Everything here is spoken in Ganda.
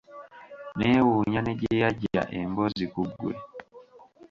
Neewunya ne gye yaggya emboozi ku ggwe.